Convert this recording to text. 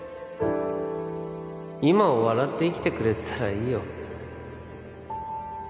今を笑って生きてくれてたらいいよ